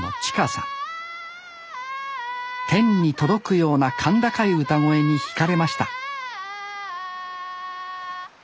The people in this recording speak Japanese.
天に届くような甲高い歌声にひかれました